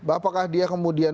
apakah dia kemudian